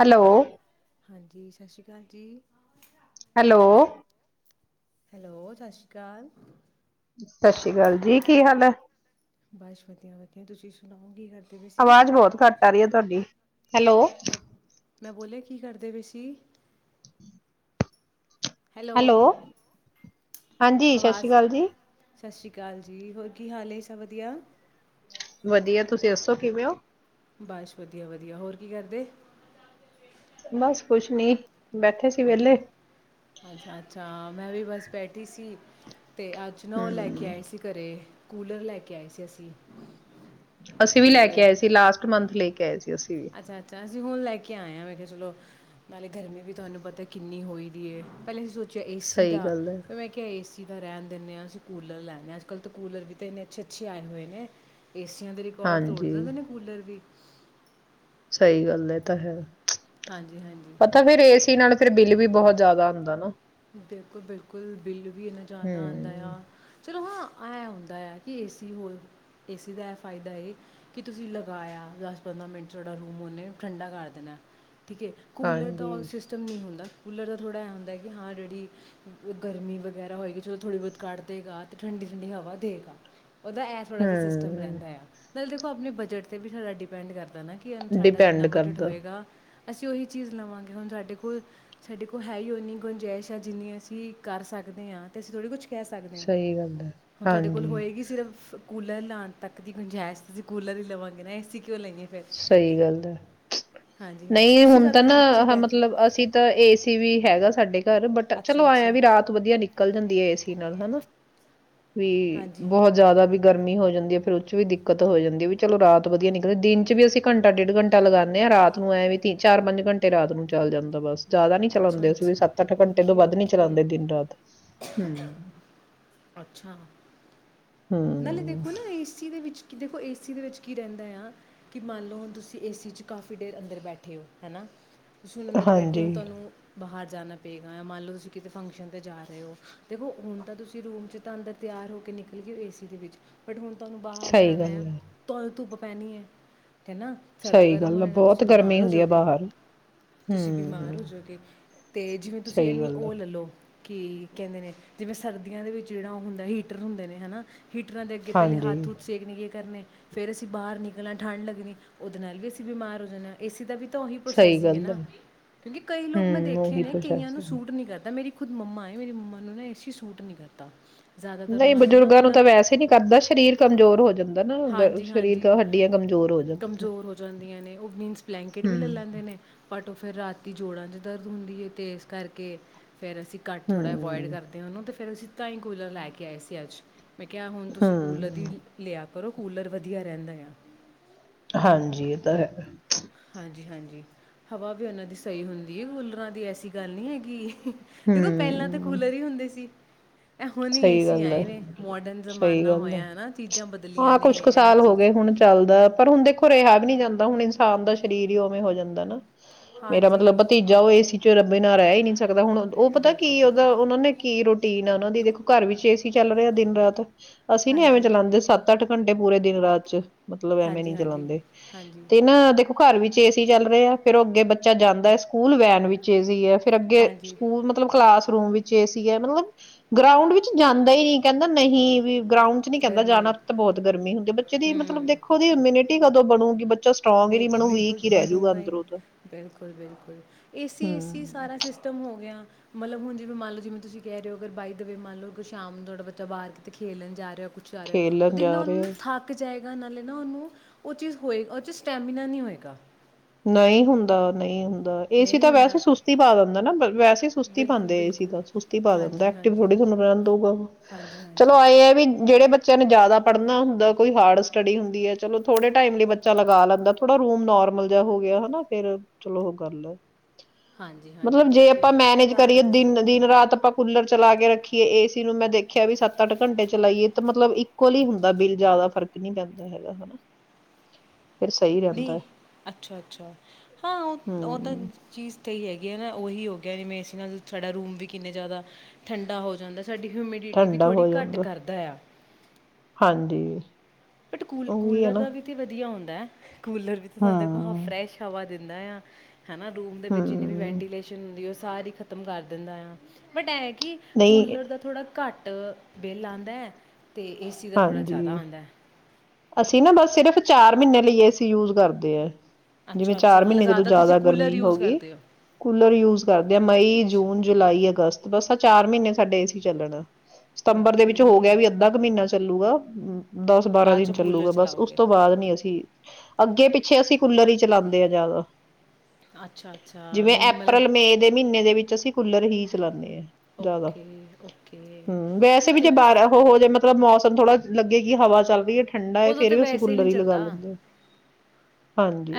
Hello ਹਾਂਜੀ ਸਤਿ ਸ਼੍ਰੀ ਅਕਾਲ ਜੀ ਹੈਲੋ ਹੈਲੋ ਸਤਿ ਸ਼੍ਰੀ ਅਕਾਲ ਸਤਿ ਸ਼੍ਰੀ ਅਕਾਲ ਜੀ ਕੀ ਹਾਲ ਹੈ ਬਸ ਵਧੀਆ ਵਧੀਆ ਤੁਸੀਂ ਸੁਣਾਓ ਕੀ ਕਰ ਆਵਾਜ਼ ਬਹੁਤ ਘੱਟ ਆ ਰਹੀ ਹੈ ਤੁਹਾਡੀ ਹੈਲੋ ਦੇ ਵ ਹੈਲੋ ਹਾਂਜੀ ਸਤਿ ਆਵਾਜ਼ ਸ਼੍ਰੀ ਅਕਾਲ ਜੀ ਸਤਿ ਸ਼੍ਰੀ ਅਕਾਲ ਜੀ ਹੋਰ ਕੀ ਹਾਲ ਹੈ ਸਭ ਵਧੀਆ ਵਧੀਆ ਤੁਸੀਂ ਦੱਸੋ ਕਿਵੇਂ ਹੋ ਬਸ ਵਧੀਆ ਵਧੀਆ ਹੋਰ ਕੀ ਕਰਦੇ ਬਸ ਕੁਛ ਨੀ ਬੈਠੇ ਸੀ ਵਿਹਲੇ ਅੱਛਾ ਅੱਛਾ ਮੈਂ ਵੀ ਬਸ ਬੈਠੀ ਸੀ ਅਤੇ ਅੱਜ ਨਾ ਉਹ ਲੈ ਹਮ ਕੇ ਆਏ ਸੀ ਘਰ ਕੂਲਰ ਲੈ ਕੇ ਆਏ ਸੀ ਅਸੀਂ ਅਸੀਂ ਵੀ ਲੈ ਕੇ ਆਏ ਸੀ ਲਾਸਟ ਮੰਥ ਲੈ ਕੇ ਆਏ ਸੀ ਅਸੀਂ ਵੀ ਅੱਛਾ ਅੱਛਾ ਅਸੀਂ ਹੁਣ ਲੈ ਕੇ ਆਏ ਹਾਂ ਮੈਂ ਕਿਹਾ ਚਲੋ ਨਾਲੇ ਗਰਮੀ ਵੀ ਤੁਹਾਨੂੰ ਪਤਾ ਕਿੰਨੀ ਹੋਈ ਦੀ ਪਈ ਏ ਪਹਿਲਾ ਅਸੀਂ ਸੋਚ ਏ ਸੀ ਸਹੀ ਦਾ ਗੱਲ ਹੈ ਫਿਰ ਮੈਂ ਕਿਹਾ ਏ ਸੀ ਏ ਸੀ ਦਾਂ ਰਹਿਣ ਦਿੰਦੇ ਹਾਂ ਅਸੀਂ ਕੂਲਰ ਲੈਦੇ ਹਾਂ ਅੱਜ ਕੱਲ ਤਾਂ ਕੂਲ ਵੀ ਤਾਂ ਇੰਨੇ ਅੱਛੇ ਅੱਛੇ ਆਏ ਹੋਏ ਨੇ ਏਸੀਆਂ ਦੇ ਰਿਕਾਰਡ ਤੋੜ ਹਾਂਜੀ ਦਿੰਦੇ ਨੇ ਕੂਲਰ ਵੀ ਸਹੀ ਗੱਲ ਹੈ ਤਾਂ ਹੈ ਹਾਂਜੀ-ਹਾਂਜੀ ਪਤਾ ਫੇਿਰ ਏਸੀ ਨਾਲ ਫਿਰ ਬਿੱਲ ਵੀ ਬਹੁਤ ਜ਼ਿਆਦਾ ਹੁੰਦਾ ਨਾ ਬਿਲਕੁਲ ਬਿਲਕੁਲ ਬਿੱਲ ਵੀ ਇੰਨਾ ਜ਼ਿਆਦਾ ਆਉਂਦਾ ਹਮ ਆ ਫਿਰ ਹਾਂ ਇਹ ਹੁੰਦਾ ਹੈ ਕਿ ਏਸੀ ਹੋ ਏਸੀ ਦਾ ਫਾਇਦਾ ਇਹ ਕਿ ਤੁਸੀਂ ਲਗਾਇਆ ਦਸ ਪੰਦਰਾਂ ਮਿੰਟ ਥੋੜਾ ਰੂਮ ਉਹਨੇ ਠੰਡਾ ਕਰ ਦੇਣਾ ਠੀਕ ਹੈ ਕੂਲਰ ਦਾ ਹਾਂਜੀ ਉਹ ਸਿਸਟਮ ਨਹੀਂ ਹੁੰਦਾ ਕੂਲਰ ਦਾ ਥੋੜਾ ਹੈ ਹੁੰ ਹੈ ਹਾਂ ਜਿਹੜੀ ਗਰਮੀ ਵਗੈਰਾ ਹੋਏਗੀ ਜਦੋਂ ਥੋੜੀ ਬਹੁਤ ਕੱਢ ਦੇਗਾ ਤੇ ਠੰਡੀ ਠੰਡੀ ਹਵਾ ਦੇਗਾ ਉਹਦਾ ਇਹ ਥੋੜ੍ਹਾ ਜਿਹਾ ਸਿਸਟਮ ਹਮ ਰਹਿੰਦਾ ਆ ਮਤਲਬ ਦੇਖੌ ਆਪਣੇ ਬਜਟ 'ਤੇ ਵੀ ਸਾਰਾ ਡਿਪੈਂਡ ਕਰਦਾ ਪਤਾ ਨਾ ਕਿ ਸਾਡਾ ਡਿਪੈਂਡ ਜਿੰਨਾ ਬਜਟ ਕਰਦਾ ਹੋਏਗਾ ਅਸੀਂ ਉਹੀ ਚੀਜ਼ ਲਵਾਂਗੇ ਹੁਣ ਸਾਡੇ ਕੋਲ ਸਾਡੇ ਕੋਲ ਹੈ ਹੀ ਉਹ ਨਹੀਂ ਗੁੰਜਾਇਸ਼ਾਂ ਜਿੰਨੀ ਅਸੀਂ ਕਰ ਸਕਦੇ ਹਾਂ ਤੇ ਅਸੀਂ ਥੋੜ੍ਹੀ ਕੁਛ ਕਹਿ ਸਕਦੇ ਹ ਸਹੀ ਗੱਲ ਹੈ ਹੁਣ ਤੁਹਾਡੇ ਕੋਲ ਹਾਂਜੀ ਹੋਏਗੀ ਸਿਰਫ ਕੂਲਰ ਲਾਉਣ ਤੱਕ ਦੀ ਗੁੰਜਾਇਸ਼ ਤੁਸੀ ਕੂਲਰ ਹੀ ਲਵਾਂਗੇ ਨਾ ਇਸ ਸਹੀ ਗੱਲ ਹੈ ਹਾਂਜੀ ਹਾਂਜੀ ਨਹੀਂ ਤੁਸੀਂ ਹੁਣ ਤਾਂ ਜ਼ਿਆਦਾ ਕਿਸ ਚੀਜ਼ ਨਾ ਬੈਨ ਮਤਲਬ ਅਸੀਂ ਤਾਂ ਏ ਸੀ ਵੀ ਹੈਗਾ ਸਾਡੇ ਘਰ ਬਟ ਅੱਛਾ ਚਲੋ ਐਏਂ ਅੱਛਾ ਵੀ ਰਾਤ ਵਧੀਆ ਨਿਕਲ ਜਾਂਦੀ ਹੈ ਏ ਸੀ ਨਾਲ਼ ਹਨਾ ਵੀ ਹਾਂਜੀ ਬਹੁਤ ਜ਼ਿਆਦਾ ਵੀ ਗਰਮੀ ਹੋ ਜਾਂਦੀ ਹੈ ਫੇਿਰ ਉਹ ਚ ਵੀ ਦਿੱਕਤ ਹੋ ਜਾਂਦੀ ਵੀ ਚਲੋ ਰਾਤ ਵਧੀਆ ਨਿਕਲਦੀ ਦਿਨ ਵਿੱਚ ਵੀ ਅਸੀਂ ਘੰਟਾ ਡੇਢ ਘੰਟਾ ਲਗਾਉਂਦੇ ਹਾਂ ਰਾਤ ਨੂੰ ਐਂ ਵੀ ਤੀ ਚਾਰ ਪੰਜ ਘੰਟੇ ਰਾਤ ਨੂੰ ਚੱਲ ਜਾਂਦਾ ਬਸ ਜ਼ਿਆਦਾ ਨੀ ਅੱਛਾ ਚਲਾਦੇ ਅਸੀਂ ਵੀ ਅੱਛਾ ਸੱਤ ਅੱਠ ਘੰਟੇ ਤੋਂ ਓਕੇ ਵੱਧ ਨੀ ਓਕੇ ਚਲਾਦੇ ਦਿਨ ਰਾਤ ਹੂੰ, ਅੱਛਾ ਨਾਲੇ ਹੂੰ, ਦੇਖੋ ਨਾ ਇਸ ਚੀਜ਼ ਦੇ ਵਿੱਚ, ਕਿ ਦੇਖੋ ਏਸੀ ਦੇ ਵਿੱਚ ਕੀ ਰਹਿੰਦਾ ਆ ਕਿ ਮੰਨ ਲਓ ਤੁਸੀਂ ਏਸੀ ਚ ਕਾਫ਼ੀ ਦੇਰ ਅੰਦਰ ਬੈਠੇ ਹੋ ਹੈ ਨਾ ਤੁਸੀਂ ਹੁਣ ਅੰਦਰ ਬੈਠੇ ਹਾਂਜੀ ਹੋ ਤੁਹਾਨੂੰ ਬਾਹਰ ਜਾਣਾ ਪਏਗਾ ਮੰਨ ਲਓ ਤੁਸੀਂ ਕਿਤੇ ਫੰਕਸ਼ਨ ਤੇ ਜਾ ਰਹੇ ਹੋ ਦੇਖੋ, ਹੁਣ ਤਾਂ ਤੁਸੀਂ ਰੂਮ ਚ ਤਾਂ ਅੰਦਰ ਤਿਆਰ ਹੋ ਕੇ ਨਿਕਲੋ ਗਏ ਏਸੀ ਦੇ ਵਿੱਚ ਬਟ ਹੁਣ ਤੁਹਾਨੂੰ ਬਾਰ ਸਹੀ ਗੱਲ ਜਾਣਾ ਹੈ। ਤੁ ਤੂੰ, ਪੈਣੀ ਹੈ। ਹੈ ਨਾ ਸਰਦ ਸਹੀ ਗਰਮ ਗੱਲ ਹੋ ਆ ਜਾ ਨਾਲ ਬਹੁਤ ਤੁਸੀਂ ਗਰਮੀ ਬਿਮਾਰ ਹੋ ਹੁੰਦੀ ਆ ਜਾਓਗੇ, ਬਾਹਰ ਤੁਸੀਂ ਬਿਮਾਰ ਹੂੰ, ਹੋ ਜਾਓਗੇ, ਅਤੇ ਜਿਵੇਂ ਤੁਸੀਂ ਸਹੀ ਇਹਨੂੰ ਗੱਲ ਆ। ਉਹ ਲੈ ਲਓ ਕਿ ਕਹਿੰਦੇ ਨੇ ਜਿਵੇਂ ਸਰਦੀਆਂ ਦੇ ਵਿੱਚ ਜਿਹੜਾ ਉਹ ਹੁੰਦਾ ਹੀਟਰ ਹੁੰਦੇ ਨੇ ਹਨਾ, ਹੀਟਰਾਂ ਅੱਗੇ ਪਹਿਲੇ ਹਾਂਜੀ ਹੱਥ ਹੂਥ ਸੇਕ ਲਿਏ ਕਰਨੇ, ਫੇਰ ਅਸੀਂ ਬਾਹਰ ਨਿਕਲਣਾ ਠੰਢ ਲੱਗਣੀ ਉਹਦੇ ਨਾਲ ਵੀ ਅਸੀਂ ਬਿਮਾਰ ਹੋ ਜਾਣਾ ਏਸੀ ਦਾ ਵੀ ਉਹ ਸਹੀ ਪ੍ਰੋਸੈਸਿੰਗ ਗੱਲ ਨਾ ਹੈ ਕਿਉਂਕਿ ਕਈ ਲੋਕ ਮੈਂ ਹਮ ਦੇਖੇ ਉਹੀ ਨੇ ਕਈਆਂ ਨੂੰ ਪ੍ਰੋਸੈਸਿੰਗ ਸੂਟ ਨੀ ਕਰਦਾ ਮੇਰੀ ਖੁਦ ਮੰਮਾ ਆਏ ਮੇਰੀ ਮੰਮਾ ਨੂੰ ਨਾ ਏਸੀ ਸੂਟ ਨੀ ਕੀਤਾ, ਨਹੀਂ ਬਜ਼ੁਰਗਾਂ ਨੂੰ ਤਾਂ ਵੈਸੇ ਨੀ ਕਰਦਾ ਸਰੀਰ ਕਮਜ਼ੋਰ ਹੋ ਜਾਂਦਾ। ਨਾ ਗ- ਸਰੀਰ ਕ ਹਾਂਜੀ-ਹਾਂਜੀ ਹੱਡੀਆਂ ਕਮਜ਼ੋਰ ਹੋ ਜਾਂਦੀਆਂ ਕਮਜ਼ੋਰ ਹੋ ਜਾਂਦੀਆਂ ਨੇ ਉਹ ਮੀਨਸ ਬਲੈਂਕਟ ਵੀ ਲੈ ਹਮ ਲੈਂਦੇ ਨੇ ਬਟ ਟੋ ਫੇਰ ਰਾਤੀ ਜੋੜਾਂ ਚ ਦਰਦ ਹੁੰਦੀ ਹੈ ਤੇ ਇਸ ਕਰਕੇ ਫਿਰ ਅਸੀਂ ਘੱਟ ਥੋੜ੍ਹਾ ਬੋਇਡ ਹਮ ਕਰਦੇ ਹਾਂਨੂੰ ਤਾਂ ਫਿਰ ਅਸੀਂ'- ਤਾਂ ਹੀ ਕੂਲਰ ਲੈ ਕੇ ਆਏ ਸੀ ਅੱਜ ਮੈਂ ਕਿਹਾ ਹੁਣ ਤੁਸੀਂ ਕੂਲਰ ਦੀ ਹਮ ਲਿਆ। ਪਰੋ ਕੂਲਰ ਵਧੀਆ ਰਹਿੰਦਾ ਆ। ਹਾਂਜੀ ਇਹ ਤਾਂ ਹੈ। ਹਾਂਜੀ-ਹਾਂਜੀ ਹਵਾ ਵੀ ਉਹਨਾਂ ਦੀ ਸਹੀ ਹੁੰਦੀ ਹੈ, ਕੂਲਰਾਂ ਦੀ ਐਸੀ ਗੱਲ ਨਹੀਂ ਹੈਗੀ। ਦੇਖੋ, ਪਹਿਲਾਂ ਤਾਂ ਹਮ ਕੂਲਰ ਹੀ ਹੁੰਦੇ ਸੀ। ਇਹ ਹੁਣ ਏ ਸਹੀ ਗੱਲ ਹੈ ਆਏ ਨੇ ਮੋਡਰਨ ਸਹੀ ਜ਼ਮਾਨਾ ਗੱਲ ਹੈ ਹੋਇਆ ਹਨਾ, ਚੀਜ਼ਾਂ ਬਦਲੀਆਂ ਹਾਂ ਨੇ ਕੁਛ ਕੁ ਇਹ ਸਾਲ ਹੋ ਚੀਜ਼ ਗਏ ਹੁਣ ਚੱਲਦਾ ਪਰ ਹੁਣ ਦੇਖੋ ਰਿਹਾ ਵੀ ਨਹੀਂ ਜਾਂਦਾ ਹੁਣ ਇਨਸਾਨ ਦਾ ਸਰੀਰ ਹੀ ਉਵੇਂ ਹੋ ਜਾਂਦਾ ਨਾ, ਮੇਰਾ ਮਤਲਬ ਹਾਂਜੀ। ਭਤੀਜਾ ਉਹ ਏਸੀ ਚ ਰੱਬੇ ਨਾ ਰਹਿ ਨੀ [unintelligible] ਸਕਦਾ, ਹੁਣ ਉਹ ਪਤਾ ਬਿਲਕੁਲ ਕੀ ਬਿਲਕੁਲ ਉਹਦਾ-ਉਹਨਾਂ ਨੇ ਕੀ ਰੋਟੀਨ ਆ ਉਹਨਾਂ ਦੀ ਦੇਖੋ। ਵਿੱਚ ਏ ਸੀ ਚੱਲ ਰਿਹਾ ਦਿਨ ਰਾਤ ਅਸੀਂ ਨੀ ਐਵੇਂ ਹਾਂਜੀ ਚਲਾਦੇ ਸੱਤ ਅੱਠ ਘੰਟੇ ਪੂਰੇ ਦਿਨ ਰਾਤ ਚ, ਮਤਲਬ ਐਵੇਂ ਹਾਂਜੀ ਨੀ ਹਾਂਜੀ ਚਲਾਉਂਦੇ ਹਾਂਜੀ ਤੇ ਨਾ ਦੇਖੋ, ਘਰ ਵਿੱਚ ਏ ਸੀ ਚੱਲ ਰਹੇ ਆ ਫੇਰ ਅੱਗੇ ਬੱਚਾ ਜਾਂਦਾ ਹੈ ਸਕੂਲ ਵੈਨ ਵਿੱਚ ਏ ਸੀ ਹੈ। ਫਿਰ ਅੱਗੇ ਹਾਂਜੀ ਸਕੂਲ ਮਤਲਬ ਕਲਾਸਰੂਮ ਵਿੱਚ ਏ ਸੀ। ਯੇ ਹੈ ਮਤਲਬ ਗਰਾਊਂਡ ਵਿੱਚ ਕਿ ਜਾਂਦਾ ਹੀ ਕਹਿੰਦਾ ਨਹੀਂ ਵੀ। ਗਰਾਊਂਡ ਚ ਨਹੀਂ ਕਹਿੰਦਾ ਜਾਣਾ ਉੱਥੇ ਬਹੁਤ ਗਰਮੀ ਹੁੰਦੀ, ਬੱਚੇ ਦੀ ਮਤਲਬ ਦੇਖੋ ਜੀ ਇਮਿਊਨਿਟੀ ਕਦੋ ਬਣੂਗੀ ਬੱਚੇ। ਬਿਲਕੁਲ-ਬਿਲਕੁਲ ਬਣੂਗਾ ਹੀ ਨੀ ਤਾਂ ਬਿਲਕੁਲ-ਬਿਲਕੁਲ ਏ ਸੀ ਏ ਸੀ ਹਮ ਸਾਰਾ ਸਿਸਟਮ ਹੋ ਗਿਆ। ਮਤਲਬ ਹੁਣ ਜਿਵੇਂ ਮੰਨ ਲਓ ਜਿਵੇਂ ਤੁਸੀਂ ਕਹ ਰਹੇ ਹੋ ਅਗਰ ਬਾਈ ਦੀ ਵੇ ਮੰਨ ਲਓ ਸ਼ਾਮ ਨੂੰ ਤੁਹਾਡਾ ਬੱਚਾ ਬਾਹਰ ਖੇਲਣ ਜਾ ਰਿਹਾ ਹੈ। ਕੁਛ ਕਰ ਰਿਹਾ ਹੋ, ਉਹ ਖੇਲਣ ਦੇਖਣਾ ਜਾ ਰਹੇ ਉਹਨਾਂ ਆ। ਥੱਕ ਜਾਏਗਾ। ਨਾਲੇ ਨਾ ਉਹਨੂੰ ਉਹ ਚੀਜ਼ ਹੋਏਗਾ ਉਹ ਚੀਜ਼ ਸਟੈਮਿਨਾ ਨਹੀਂ ਹੋਏਗਾ। ਨਹੀਂ ਹੁੰਦਾ ਨਹੀਂ ਹੁੰ ਏ ਸੀ ਨਹੀਂ ਤਾਂ ਹੁੰਦਾ ਵੈਸੇ ਸੁਸਤੀ ਪਾ ਦਿੰਦਾ ਨਾ ਵੈਸੇ ਹੀ ਸੁਸਤੀ ਬਿਲਕੁਲ ਪਾਉਂਦੇ ਏ ਸੀ ਬਿਲਕੁਲ ਤੇ ਸੁਸਤੀ ਪਾ ਦਿੰਦਾ ਹੋ ਹਾਂਜੀ ਐਕਟਿਵ ਹਾਂਜੀ ਥੋੜ੍ਹਾ ਹੀ ਰਹਿਣ ਦੂਗਾ ਹਾਂਜੀ ਚਲੋ ਹਾਂਜੀ ਆਏ ਹੈ ਕਿ ਜਿਹੜੇ ਬੇ ਬੱਚਿਆਂ ਨੇ ਜ਼ਿਆਦਾ ਪੜ੍ਹਨਾ ਹੁੰਦਾ ਕੋਈ ਹਾਰਡ ਸਟੱਡੀ ਹੁੰਦੀ ਹੈ ਚਲੋ ਥੋੜੇ ਟਾਈਮ ਲਈ ਬੱਚਾ ਲਗਾ ਲੈਂਦਾ ਥੋੜਾ ਰੂਮ ਨੋਰਮਲ ਜੇਹਾ ਹੋ ਗਿਆ ਹਨਾ ਫੇਰ ਚਲੋ ਉਹ ਕਰ ਲੋ ਹਾਂਜੀ ਹਾਂਜੀ ਮਤਲਬ ਜੇ ਬਿਲਕੁਲ ਆਪਾਂ ਇਹ ਮੈਨੇਜ ਗੱਲ ਤਾਂ ਕਰੀਏ ਤੁਸੀਂ ਦਿਨ ਦਿਨ ਰਾਤ ਆਪਾਂ ਕੂਲਰ ਚਲਾ ਕੇ ਰੱਖੀਏ ਏ ਸੀ ਨੂੰ ਮੈਂ ਦੇਖਿਆ ਵੀ ਸੱਤ ਅੱਠ ਘੰਟੇ ਚਲਾਈਏ ਤਾਂ ਮਤਲਬ ਇਕੁਅਲ ਹੀ ਹੁੰਦਾ ਬਿੱਲ ਜ਼ਿਆਦਾ ਫਰਕ ਨਹੀਂ ਪੈਂਦਾ ਹੈਗਾ ਹਨਾ। ਪਰ ਸਹੀ ਰਹਿੰਦਾ ਨਹੀਂ ਹੈ। ਅੱਛਾ ਅੱਛਾ ਹਾਂ ਉਹ ਉਹ ਤਾਂ ਹਮ। ਚੀਜ਼ ਤੇ ਹੀ ਹੈਗੀ। ਉਹੀ ਹੋ ਗਿਆ ਜਿਵੇੇ ਏ ਸੀ ਨਾਲ ਤੁਹਾਡਾ ਰੂਮ ਵੀ ਕਿੰਨੇ ਜ਼ਿਆਦਾ ਠੰਡਾ ਹੋ ਜਾਂਦਾ ਸਾਡੀ ਹਿਊਮਿਡਿਟੀ ਵੀ ਠੰਡਾ ਹੋ ਥੋੜ੍ਹੀ ਘੱਟ ਜਾਂਦਾ ਕਰਦਾ ਆ। ਹਾਂਜੀ ਬਟ ਕੂਲ ਉਹੀ ਹੈ ਕੂਲਰ ਨਾ ਦਾ ਵੀ ਤੇ ਵਧੀਆ ਹੁੰਦਾ ਹੈ। ਕੂਲਰ ਵੀ ਤਾਂ ਦੇਖੋ ਸਾਨੂੰ ਹਾਂ ਫਰੈਸ਼ ਹਵਾ ਦਿੰਦਾ ਆਂ। ਹੈ ਨਾ ਰੂਮ ਦੇ ਵਿੱਚ ਜਿੰਨੀ ਵੀ ਹਮ ਵੈਂਟੀਲੇਸ਼ਨ ਹੁੰਦੀ ਉਸ ਸਾਰੀ ਖ਼ਤਮ ਕਰ ਦਿੰਦਾ ਆ ਬਟ ਏ ਕਿ ਨਹੀਂ ਕੂਲਰ ਦਾ ਥੋੜ੍ਹਾ ਘੱਟ ਬੁੱਟ ਬਿੱਲ ਆਉਂਦਾ। ਤੇ ਏ ਸੀ ਦਾ ਥੋੜ੍ਹਾ ਜ਼ਿਆਦਾ ਹਾਂਜੀ ਆਉਂਦਾ। ਅਸੀਂ ਨਾ ਬਸ ਸਿਰਫ਼ ਚਾਰ ਮਹੀਨੇ ਲਈ ਏ ਸੀ ਯੂਜ ਕਰਦੇ ਹੈ। ਜਿਵੇਂ ਅੱਛਾ-ਅੱਛਾ ਚਾਰ ਮਤਲਬ ਮਹੀਨੇ ਤੋਂ ਤੁਸੀਂ ਜ਼ਿਆਦਾ ਕੂਲਰ ਗਰਮੀ ਹੋ ਯੂਜ਼ ਗਈ ਕਰਦੇ ਕੂਲਰ ਯੂਜ ਕਰਦੇ ਆ ਮਈ ਜੂਨ ਜੁਲਾਈ ਅਗਸਤ। ਬੱਸ ਏ ਚਾਰ ਮਹੀਨੇ ਸਾਡੇ ਏ ਸੀ ਚਲਣਾ। ਸਤੰਬਰ ਦੇ ਵਿੱਚ ਹੋ ਗਿਆ ਓਕੇ। ਵੀ ਅੱਧਾ ਕ ਮਹੀਨਾ ਚੱਲੂਗਾ। ਹੁ ਦਸ ਬਾਰਾਂ ਬਾਅਦ ਦਿਨ 'ਚੋਂ ਚ ਕੂਲਰ ਚੱਲੂਗਾ ਬਸ ਉਸ ਚਲਾਓਗੇ ਤੋਂ ਬਾਅਦ ਨੀ ਅਸੀਂ ਅੱਗੇ ਪਿੱਛੇ ਅਸੀਂ ਕੂਲਰ ਹੀ ਚਲਾਉਦੇ ਹਾਂ ਜ਼ਿਆਦਾ ਅੱਛਾ-ਅੱਛਾ ਜਿਵੇਂ ਮੀਨਜ਼ ਅਪ੍ਰੈਲ ਮਤਲਬ ਮੇਅ ਦੇ ਮਹੀਨੇ ਦੇ ਵਿੱਚ ਅਸੀਂ ਕੂਲਰ ਹੀ ਚਲਾਉਂਦੇ ਆ ਜ਼ਿਆਦਾ ਓਕੇ-ਓਕੇ ਹਮ ਚਲੋ ਵੈਸੇ ਵੀ ਜੇ ਦੇਖੋ ਬਾਹਰ ਉਹ ਹੋ ਜੇ ਮਤਲਬ ਮੌਸਮ ਥੋੜ੍ਹਾ ਲੱਗੇ ਕਿ ਹਵਾ ਚੱਲ ਰਹੀ ਹੈ ਠੰਡਾ ਹੈ ਉਦੋਂ ਫੇਰ ਤਾਂ ਵੀ ਅਸੀਂ ਵੈਸੇ ਕੂਲਰ ਨਹੀਂ ਹੀ ਲਗਾ ਚੱਲਦਾ ਲੈਂਦੇ ਹਾਂ।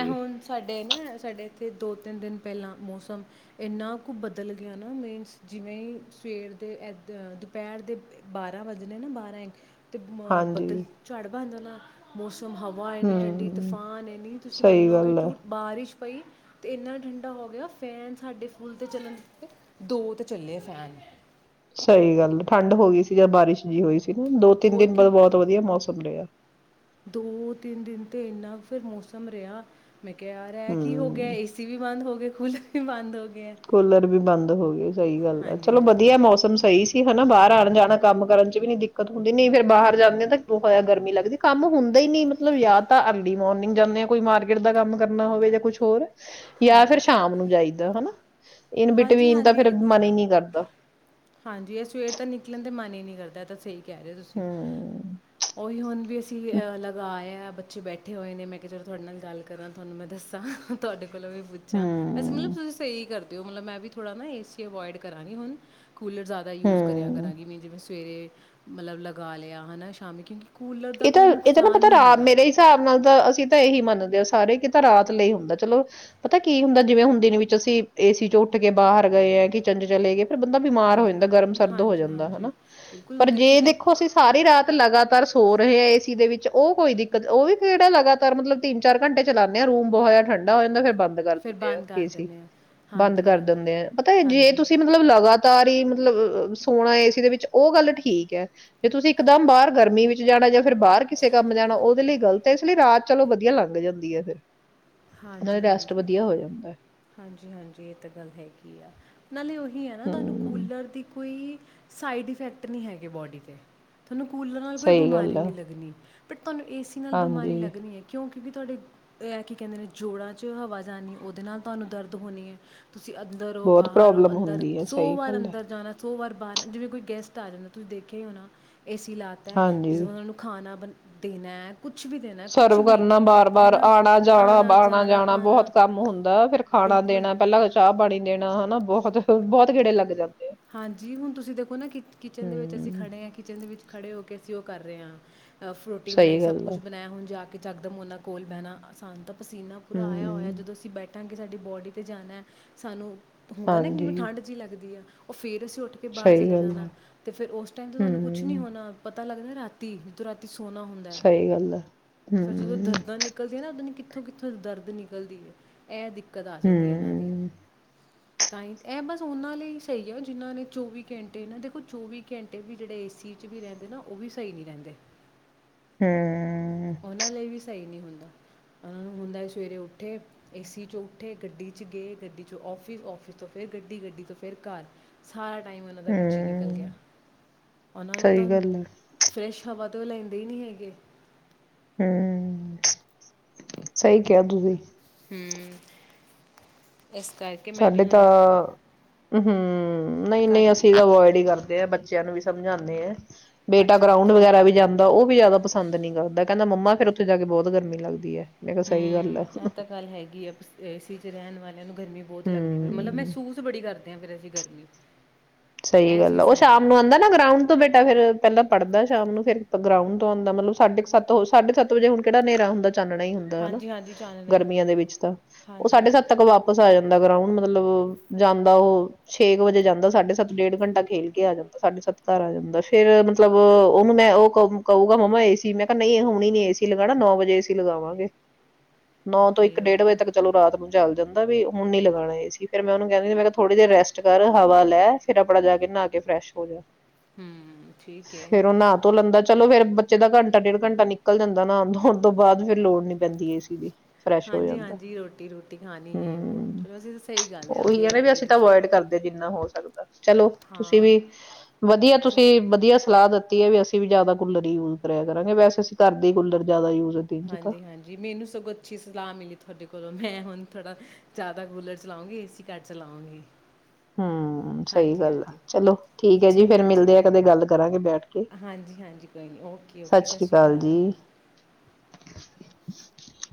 ਇਹ ਹੁਣ ਸਾਡੇ ਨਾ ਸਾਡੇ ਇੱਥੇ ਦੋ ਤਿੰਨ ਦਿਨ ਪਹਿਲਾਂ ਮੌਸਮ ਇੰਨਾ ਕੁ ਬਦਲ ਗਿਆ ਨਾ ਮੀਨਸ ਜਿਵੇਂ ਹੀ ਸਵੇਰ ਦੇ ਏਦਾਂ ਦੁਪਹਿਰ ਦੇ ਬਾਰਾਂ ਵੱਜਣੇ ਨਾ ਬਾਰਾਂ ਇੱਕ ਤੇ ਬੱਦਲ ਹਾਂਜੀ ਝਾੜ ਬਣ ਜਾਣਾ ਮੋਸ ਤੁ ਹਵਾ ਇੰਨੀ ਠੰਡੀ ਹੂੰ ਤੂਫਾਨ ਹੈ ਇੰਨੀ ਤੁਸੀਂ ਸਹੀ ਮਨੋ ਗੇ ਗੱਲ ਹੈ। ਛੂਟ ਬਾਰਿਸ਼ ਪਈ ਤੇ ਇੰਨਾ ਠੰਡਾ ਹੋ ਗਿਆ ਫੈਨ ਸਾਡੇ ਫੁੱਲ ਤੇ ਚੱਲਣਤੇ ਦੋ ਤੇ ਚੱਲੇ ਫੈਨ ਸਹੀ ਗੱਲ ਐ ਠੰਡ ਹੋ ਗਈ ਸੀ ਜਦ ਬਾਰਿਸ਼ ਜਿਹੀ ਹੋਈ ਸੀ ਦੋ ਤਿੰਨ ਹੋਰ ਦਿਨ ਬਾਅਦ ਕੀ ਬਹੁਤ ਵਧੀਆ ਮੌਸਮ ਰਿਹਾ। ਦੋ ਤਿੰਨ ਦਿਨ ਤੇ ਇੰਨਾ ਫਿਰ ਮੌਸਮ ਰਿਹਾ। ਮੈਂ ਕਿਹਾ ਯਾਰ ਇਹ ਕੀ ਹੋ ਗਿਆ ਹੂੰ ਏਸੀ ਵੀ ਬੰਦ ਹੋ ਗਏ। ਸਕੂਲ ਵੀ ਬਦ ਹੋ ਗਿਆ। ਕੂਲਰ ਵੀ ਬੰਦ ਹੋ ਗਏ ਸਹੀ ਗੱਲ ਆ ਹਾਂਜੀ ਚਲੋ ਹਾਂਜੀ ਵਧੀਆ ਮੌਸਮ ਸਹੀ ਸੀ ਹਨਾ ਬਾਹਰ ਆਉਣ ਜਾਣਾ। ਕੰਮ ਕਰਨ ਚ ਵੀ ਨੀ ਦਿੱਕਤ ਹੁੰਦੀ ਨਹੀਂ ਫੇਿਰ ਬਾਹਰ ਜਾਂਦੇ ਆ ਤਾਂਇਆ ਗਰਮੀ ਲੱਗਦੀ ਕੰਮ ਹੁੰਦਾ ਹੀ ਨੀ ਮਤਲਬ ਜਾਂ ਤਾਂ ਅਰਲੀ ਮੋਰਨਿੰਗ ਜਾਂਦੇ ਆ ਕੋਈ ਮਾਰਕੀਟ ਦਾ ਕੰਮ ਕਰਨਾ ਹੋਵੇ ਜਾਂ ਕੁਛ ਹੋਰ। ਜਾਂ ਫਿਰ ਹਾਂਜੀ ਸ਼ਾਮ ਨੂੰ ਜਾਈਦਾ ਹਨਾ ਇਨ ਹਾਂਜੀ ਬਿਟਵੀਨ ਤਾਂ ਫੇਰ ਹਾਂਜੀ ਮਨ ਹੀ ਨਹੀਂ ਕਰਦਾ ਹਾਂਜੀ ਇਹ ਸਵੇਰ ਤਾਂ ਨਿਕਲਣ ਦੇ ਮਨ ਈ। ਨਹੀਂ ਕਰਦਾ ਤਾਂ ਸਹੀ। ਕਹਿ ਰਹੇ ਤੁਸੀਂ, ਹਮ ਉਹੀ ਹੁਣ ਵੀ ਅਸੀਂ ਅਹ ਲਗਿਆ। ਬੱਚੇ ਬੈਠੇ ਹੋਏ ਨੇ ਮੈਂ ਕਿਹਾ- ਚਲੋ ਤੁਹਾਡੇ ਨਾਲ ਗੱਲ ਕਰਾਂ। ਤੁਹਾਨੂੰ ਮੈਂ ਦੱਸਾਂ ਤੁਹਾਡੇ ਕੋਲੋਂ ਵੀ ਪੁੱਛਾਂ। ਵੇਸੇ ਮਤਲਬ ਹਮ ਤੁਸੀਂ ਸਹੀ ਕਰਦੇ। ਤੇ ਉਹ ਮਤਲਬ ਮੈਂ ਵੀ ਥੋੜ੍ਹਾ ਨਾ ਏਸੀ ਅਵਾਇਡ ਕਰਾਂਗੀ। ਹੁਣ ਕੂਲਰ ਜ਼ਿਆਦਾ ਯੂਜ਼ ਕਰਿਆ ਹਮ ਕਰਾਂਗੀ। ਮੈਂ ਜਿਵੇਂ ਸਵੇਰੇ ਮਤਲਬ ਲਗਾ ਲਿਆ। ਹੈਨਾ ਸ਼ਾਮੀ ਕਿਉਂਕਿ ਕੂਲਰ ਦਾ ਇਹ ਤਾਂ, ਕੋਈ ਇਹ ਤਾਂ ਨਾ ਨੁਕਸਾਨ ਪਤਾ ਨਹੀਂ ਰਾ ਹੈਗਾ ਮੇਰੇ ਹਿਸਾਬ ਨਾਲ ਤਾਂ, ਅਸੀਂ ਤਾਂ ਇਹੀ ਮੰਨਦੇ ਹਾ। ਜਦੋਂ ਸਾਰੇ ਕਿ ਤਾਂ ਰਾਤ ਲਈ ਹੁੰਦਾ। ਚਲੋ, ਪਤਾ ਕੀ ਹੁੰਦਾ ਜਿਵੇਂ ਹੁਣ ਦਿਨ ਵਿੱਚ ਅਸੀਂ ਏਸੀ ਚ ਉੱਠ ਕੇ ਬਾਹਰ ਗਏ ਆ, ਕਿਚਨ ਚ ਚਲੇ ਗਏ। ਫਿਰ ਬੰਦਾ ਬਿਮਾਰ ਹੋ ਹਾਂਜੀ ਜਾਂਦਾ ਗਰਮ ਸਰਦ ਹੋ ਹਾਂਜੀ ਜਾਂਦਾ। ਹਾਂਜੀ ਹਨਾ, ਬਿਲਕੁਲ ਹੁਣ ਪਰ ਤੁਸੀਂ ਜੇ ਕਿ ਦੇਖੋ ਅਸੀਂ ਸਾਰੀ ਰਾਤ ਲਗਾਤਾਰ ਹੋ ਰਹੇ ਆ ਏ ਸੀ ਦੇ ਵਿੱਚ ਉਹ ਕੋਈ ਦਿੱਕਤ ਉਹ ਵੀ ਕਿਹੜਾ ਲਗਾਤਾਰ ਮਤਲਬ ਤਿੰਨ- ਚਾਰ ਘੰਟੇ ਚਲਾਉਂਦੇ ਆ ਰੂਮ ਬਹੁਤ ਜ਼ਿਆਦਾ ਠੰਡਾ ਹੋ ਜਾਂਦਾ। ਫਿਰ ਬੰਦ ਬੰਦ ਕਰ ਫਿਰ ਦਿੰਦੇ ਆ। ਬੰਦ ਕਰ ਏ ਸੀ ਦਿੰਦੇ ਹਾਂ ਬੰਦ ਹਾਂਜੀ ਕਰ ਹਾਂਜੀ ਦਿੰਦੇ ਆ, ਪਤਾ ਜੇ ਹਾਂਜੀ ਤੁਸੀਂ ਮਤਲਬ ਲਗਾਤਾਰ ਹੀ ਮਤਲਬ ਸੋਣਾ ਏ ਸੀ ਦੇ ਵਿੱਚ ਉਹ ਗੱਲ ਠੀਕ ਹੈ। ਜੇ ਤੁਸੀਂ ਇੱਕਦਮ ਬਾਹਰ ਗਰਮੀ ਵਿੱਚ ਵਿੱਚ ਜਾਣਾ ਜਾਂ ਫਿਰ ਬਾਹਰ ਕਿਸੇ ਕੰਮ ਜਾਣਾ ਉਹਦੇ ਲਈ ਗਲਤ ਹੈ। ਇਸ ਲਈ ਰਾਤ ਚਲੋ ਵਧੀਆ ਲੰਘ ਜਾਂਦੀ ਹੈ ਫਿਰ ਨਾਲੇ ਹਾਂਜੀ ਰੈਸਟ -ਹਾਂਜੀ, ਵਧੀਆ ਹੋ ਜਾਂਦਾ ਹੈ। ਹਾਂਜੀ -ਹਾਂਜੀ ਇਹ ਤਾਂ ਗੱਲ ਹੈਗੀ ਆ ਨਾਲੇ ਹੀ ਹੈ ਨਾ ਤੁਹਾਨੂੰ ਹੂੰ ਕੂਲਰ ਦੀ ਕੋਈ ਸਾਈਡ ਇਫੈਕਟ ਨਹੀਂ ਹੈਗੇ ਬੋਡੀ ਤੇ ਤੁਹਾਨੂੰ ਕੂਲਰ ਨਾਲ ਕੋਈ ਸਹੀ ਗੱਲ ਬਿਮਾਰੀ ਆ ਨਹੀਂ ਲੱਗਣੀ। ਬਟ ਤੁਹਾਨੂੰ ਏ ਸੀ ਨਾਲ ਬਿਮਾਰੀ ਹਾਂਜੀ ਲੱਗਣੀ ਹੈ। ਕਿਉਂਕਿ ਕਿਉਂਕਿ ਤੁਹਾਡੇ, ਐ ਇਹ ਕੀ ਕਹਿੰਦੇ ਨੇ ਜੋੜਾਂ ਚ ਹਵਾ ਜਾਣੀ ਹੈ। ਉਹਦੇ ਨਾਲ ਤੁਹਾਨੂੰ ਦਰਦ ਹੋਣੀ ਹੈ। ਤੁਸੀਂ ਅੰਦਰ ਹੋ ਬਹੁਤ ਬਾਹਰ ਹੋ ਪ੍ਰੋਬਲਮ ਅੰਦਰ ਹੁੰਦੀ ਹੈ ਸੌ ਸਹੀ ਵਾਰ ਗੱਲ ਹੈ ਅੰਦਰ ਜਾਣਾ ਸੋ ਵਾਰ ਬਾਹਰ ਜਿਵੇਂ ਕੋਈ ਗੈਸਟ ਆ ਜਾਂਦਾ। ਤੁਸੀਂ ਦੇਖਿਆ ਹੀ ਹੋਣਾ। ਏ ਸੀ ਲਾਤਾ। ਜਿਵੇਂ ਹਾਂਜੀ ਉਹਨਾਂ ਨੂੰ ਖਾਣਾ ਬਣਾਉਣਾ ਦੇਣਾ ਸਰਵ ਕਰਨਾ ਬਾਰ ਹੈ -ਬਾਰ ਨਾ ਆਉਣਾ -ਜਾਣਾ ਬਾਹਰ। ਆਉਣਾ -ਜਾਣਾ ਆਉਣਾ ਬਹੁਤ ਕੰਮ ਹੁੰਦਾ। ਫੇਰ ਖਾਣਾ ਬਿਲਕੁਲ ਦੇਣਾ ਪਹਿਲਾਂ ਚਾਹ -ਪਾਣੀ ਦੇਣਾ। ਹਨਾ। ਬਹੁਤ -ਬਹੁਤ ਗੇੜੇ ਲੱਗ ਜਾਂਦੇ। ਆ ਹਾਂਜੀ। ਹੁਣ ਤੁਸੀਂ ਦੇਖੋ ਨਾ ਕਿ ਕਿਚਨ ਦੇ ਵਿੱਚ ਅਸੀਂ ਹੂੰ ਖੜੇ ਹਾਂ, ਕਿਚਨ ਦੇ ਵਿੱਚ ਖੜੇ ਹੋ ਕੇ ਅਸੀਂ ਉਹ ਕਰ ਰਹੇ ਹਾਂ। ਅ ਫਰੋਟੀ ਬਣਾਈ। ਸਹੀ ਸਭ ਗੱਲ ਆ ਕੁਛ ਬਣਾਇਆ ਹੁਣ ਜਾ ਕੇ ਕਿ ਜਦ ਮੈਂ ਉਹਨਾਂ ਕੋਲ ਬਹਿਣਾ ਸਾਨੂੰ ਤਾਂ ਪਸੀਨਾ ਪੂਰਾ ਆਇਆ ਹੋਇਆ। ਹੂੰ, ਜਦੋਂ ਅਸੀਂ ਬੈਠਾਂਗੇ ਕਿ ਸਾਡੀ ਬੋਡੀ ਤੇ ਜਾਣਾ। ਸਾਨੂੰ ਹੁੰਦਾ ਨਾ ਹਾਂਜੀ, ਕਿਵੇਂ ਠੰਡ ਜੀ ਲੱਗਦੀ ਹੈ‌। ਉਹ ਫਿਰ ਅਸੀਂ। ਉੱਠ ਕੇ ਬਾਹਰ ਸਹੀ ਚਲੇ ਗੱਲ ਜਾਣਾ ਹੈ, ਤੇ ਫਿਰ ਉਸ ਟਾਈਮ ਤੇ ਤੁਹਾਨੂੰ ਕੁੱਛ ਨੀ ਹੂੰ, ਹੋਣਾ ਪਤਾ ਲੱਗਦਾ। ਰਾਤੀ ਤੁੰਰਤ। ਸੋਹਣਾ ਹੁੰਦਾ ਹੈ ਸਹੀ ਗੱਲ ਹੈ, ਫੇਰ ਜਦੋਂ ਹੂੰ, ਦਰਦਾਂ ਨਿਕਲਦੀਆਂ ਨਾ। ਕਿੱਥੋਂ ਕਿੱਥੋਂ ਦਰਦ ਨਿਕਲਦੀ ਹੈ ਐ ਦੇਖ। ਦਿੱਕਤ ਆ ਜਾਂਦੀ ਇਹਨਾਂ ਦੀ ਹੂੰ, ਤਾਂ ਹੀ ਇਹ ਬਸ ਉਹਨਾਂ ਲਈ ਸਹੀ ਆ ਜਿਹਨ੍ਹਾਂ ਨੇ ਚੌਵੀ ਘੰਟੇ ਨਾ ਦੇਖੋ ਚੌਵੀ ਘੰਟੇ ਵੀ ਜਿਹੜੇ ਏ ਸੀ 'ਚ ਵੀ ਰਹਿੰਦੇ ਨਾ ਉਹ ਵੀ ਸਹੀ ਨਹੀਂ ਰਹਿੰਦੇ ਹਮ ਉਹਨਾਂ ਲਈ ਵੀ ਸਹੀ ਨਹੀਂ ਹੁੰਦਾ ਹੁੰਦਾ ਸਵੇਰੇ ਉੱਠੇ ਏਸੀ ਚੋਂ ਉੱਠੇ ਗੱਡੀ ਚ ਗਏ ਗੱਡੀ ਚੋਂ ਆਫਿਸ ਆਫਿਸ ਤੋਂ ਫਿਰ ਗੱਡੀ ਗੱਡੀ ਤੋਂ ਫਿਰ ਘਰ ਸਾਰਾ ਟਾਈਮ ਉਹਨਾਂ ਦਾ ਵਿੱਚ ਹੀ ਨਿਕਲ ਗਿਆ ਹੂੰ, ਉਹਨਾਂ ਨੂੰ ਤਾਂ ਸਹੀ ਗੱਲ ਹੈ, ਫਰੈਸ਼ ਹਵਾ ਉਹ ਲੈਂਦੇ ਹੀ ਨੀ ਹੈਗੇ ਹਮ ਸਹੀ ਕਿਹਾ ਤੁਸੀ ਹਮ ਸਾਡੇ ਤਾਂ ਹਮ ਹਮ ਨਹੀਂ ਨਹੀਂ ਘੱਟ ਹੀ ਅਸੀਂ ਤਾਂ ਅਵੋਇਡ ਹੀ ਕਰਦੇ ਹ ਬੱਚਿਆਂ ਨੂੰ ਵੀ ਸਮਝਾਉਂਦੇ ਆ ਬੇਟਾ ਅੱਛਾ ਅੱਛਾ ਗਰਾਉਂਡ ਵਗੈਰਾ ਵੀ ਜਾਂਦਾ ਉਹ ਵੀ ਜਿਆਦਾ ਪਸੰਦ ਨੀ ਕਰਦਾ ਕਹਿੰਦਾ ਮੰਮਾ ਫੇਰ ਉੱਥੇ ਜਾ ਕੇ ਬਹੁਤ ਗਰਮੀ ਲੱਗਦੀ ਹੈ ਮੈਂ ਕਿਹਾ ਸਹੀ ਗੱਲ ਹਮ ਆ ਤਾਂ ਗੱਲ ਹੈਗੀ ਆ ਏਸੀ ਚ ਰਹਿਣ ਵਾਲਿਆਂ ਨੂੰ ਗਰਮੀ ਬਹੁਤ ਲੱਗਦੀ ਮਤਲਬ ਹੂੰ। ਮਹਿਸੂਸ ਬੜੀ ਕਰ ੱਧ ਹ ਫੇਿਰ ਅਸੀਂ ਗਰਮੀ ਸਹੀ ਇਹ ਗੱਲ ਆ ਚੀਜ਼ ਉਹ ਹੁੰਦਾ ਸ਼ਾਮ ਨੂੰ ਆਉਂਦਾ ਨਾ ਗਰਾਂਉਂਦਤੋਂ ਬੇਟਾ ਫਿਰ ਪਹਿਲਾਂ ਪੜ੍ਹਦਾ ਸ਼ਾਮ ਨੂੰ ਫਿਰ ਗਰਾਊਂਡ ਤੋਂ ਆਉਂਦਾ ਮਤਲਬ ਸਾਢੇ ਸੱਤ ਹੋ ਸਾਢੇ ਸੱਤ ਵਜੇ ਹੁਣ ਕਿਹੜਾ ਹਨੇਰਾ ਹੁੰਦਾ ਚਾਨਣਾ ਹੀ ਹੁੰਦਾ ਹਨਾ ਹਾਂਜੀ-ਹਾਂਜੀ ਚਾਨਣਾ ਹੀ ਹੁੰਦਾ। ਗਰਮੀਆਂ ਦੇ ਵਿੱਚ ਤਾਂ ਉਹ ਹਾਂਜੀ ਸਾਢੇ ਸੱਤ ਤੱਕ ਵਾਪਿਸ ਆ ਜਾਂਦਾ ਜਾਂਦਾ ਗਰਾਉਂਡ ਮਤਲਬ ਜਾਂਦਾ ਉਹ ਛੇ ਕੁ ਵਜੇ ਜਾਂਦਾ ਸਾਢੇ ਸੱਤ ਡੇਢ ਘੰਟਾ ਖੇਲ ਕੇ ਆ ਜਾਂਦਾ ਸਾਢੇ ਸੱਤ ਘਰ ਆ ਜਾਂਦਾ ਫੇਿਰ ਮਤਲਬ ਅੱਛ ਉਹਨੂੰ ਮੈਂ ਉਹ ਕਹੂਗਾ ਮੰਮਾ ਏਸੀ ਮੈਂ ਕਿਹਾ ਨਹੀਂ ਹੁਣ ਹੀ ਨੀ ਏਸੀ ਲਗਾਉਣਾ ਨੌ ਵਜੇ ਏਸੀ ਲਗਾਵਾਂਗੇ ਨੌ ਤੋਂ ਇੱਕ ਡੇਢ ਓਕੇ-ਓਕੇ ਵਜੇ ਤੱਕ ਚਲੋ ਰਾਤ ਨੂੰ ਚੱਲ ਜਾਂਦਾ ਵੀ ਹੁਣ ਨ ਲਗਾਣਾ ਸੀ ਫਿਰ ਮੈਂ ਉਹਨੂੰ ਕਹਿੰਦੀ ਸੀ ਮੈਂ ਕਿਹਾ ਥੋੜੀ ਦੇਰ ਰੈਸਟ ਕਰ ਹਵਾ ਲੈ ਫਿਰ ਆਪਣਾ ਜਾ ਕੇ ਨਹਾ ਫਰੈਸ਼ ਹੋ ਜਾ ਹੂੰ ਠੀਕ ਹੈ। ਫੇਰ ਉਹ ਨ ਧੋ ਲੈਂਦਾ ਚਲੋ ਫੇਰ ਬੱਚੇ ਦਾ ਘੰਟਾ ਡੇਢ ਘੰਟਾ ਨਿਕਲ ਜਾਂਦਾ ਨਾਨ ਧੋਣ ਤੋਂ ਬਾਅਦ ਫਿਰ ਲੋੜ ਨੀ ਪੈਂਦੀ ਏ ਸੀ ਦੀ ਫਰੈਸ਼ ਹੋ ਜਾਂਦਾ ਹਾਂਜੀ-ਹਾਂਜੀ ਰੋਟੀ-ਰੋਟੀ ਖਾਣੀ ਯੇ ਵੋ ਹਮ ਚਲੋ ਅਸੀਂ ਤਾਂ ਸਹੀ ਗੱਲ ਉਹੀ ਹੈ ਵਧੀਆ ਨਾ ਵੀ ਕਰਦੇ ਹੋ ਅਸੀਂ ਤਾਂ ਤੁਸੀਂ। ਅਵੋਇਡ ਕਰਦੇ ਜਿੰਨਾ ਹੋਰ ਚਲੋ ਤੁਸੀਂ ਹਾਂ ਵੀ ਵਧੀਆ ਚ ਤੁਸੀਂ ਵਧੀਆ ਸਲਾਹ ਦਿੱਤੀ ਹੈ ਵੀ ਅਸੀਂ ਵੀ ਜ਼ਿਆਦਾ ਕੂਲਰ ਹੀ ਯੂਜ ਕਰਿਆ ਕਰਾਂਗੇ ਵੈਸੇ ਅਸੀਂ ਕਰ ਦੇ ਜਿਆਦਾ ਕੂਲਰ ਜ਼ਿਆਦਾ ਯੂਜ ਦਿਨ ਚ ਤਾਂ ਹਾਂਜੀ-ਹਾਂਜੀ, ਮੈਨੂੰ ਸਗੋਂ ਅੱਛੀ ਸਲਾਹ ਮਿਲੀ ਤੁਹਾਡੇ ਕੋਲੋਂ ਮੈਂ ਹੁਣ ਥੋੜਾ ਜ਼ਿਆਦਾ ਕੂਲਰ ਚਲਾਓਗੇ, ਏਸੀ ਘੱਟ ਚਲਾਓਗੇ। ਹੂੰ, ਸਹੀ ਗੱਲ ਆ ਚਲੋ ਠੀਕ ਹੈ ਜੀ ਫੇਰ ਮਿਲਦੇ ਆ ਕਦੇ ਗੱਲ ਕਰਾਂਗੇ ਬੈਠ ਕੇ ਹਾਂਜੀ-ਹਾਂਜੀ ਕੋਈ ਨੀ ਓਕੇ ਓਕੇ ਸਤਿ ਸ਼੍ਰੀ ਅਕਾਲ, [inaudible]